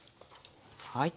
はい。